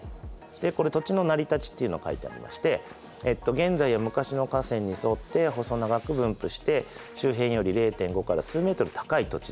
これ土地の成り立ちっていうの書いてありまして現在や昔の河川に沿って細長く分布して周辺より０．５から数メートル高い土地です。